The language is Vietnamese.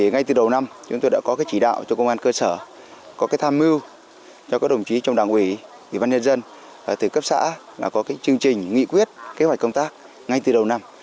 ngay từ đầu năm chúng tôi đã có chỉ đạo cho công an cơ sở có tham mưu cho các đồng chí trong đảng ủy ủy ban nhân dân từ cấp xã có chương trình nghị quyết kế hoạch công tác ngay từ đầu năm